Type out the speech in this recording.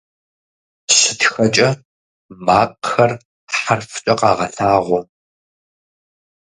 ЩытхэкӀэ макъхэр хьэрфкӀэ къагъэлъагъуэ.